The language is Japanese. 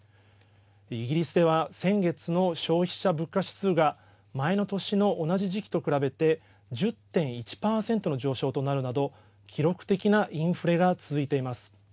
イギリスでは先月の消費者物価指数が前の年の同じ時期と比べて１０．１％の上昇となるなど記録的なインフレが続いています。